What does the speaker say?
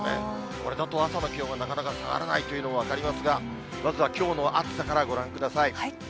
これだと朝の気温はなかなか下がらないというのも分かりますが、まずはきょうの暑さからご覧ください。